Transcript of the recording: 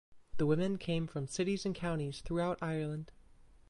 The women came from cities and counties throughout Ireland.